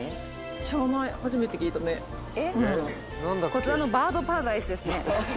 こちらのバードパラダイスですね。